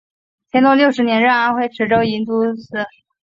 乾隆六十年任安徽池州营都司。